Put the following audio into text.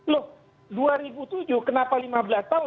loh dua ribu tujuh kenapa lima belas tahun